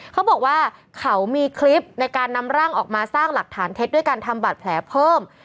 เขาบอกว่าเขามีคลิปในการนำร่างออกมาสร้างหลักฐานเท็จด้วยการทำบาดแผลเพิ่ม